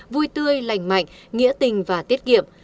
vui tươi lành mạnh nghĩa tình và tiết kiệm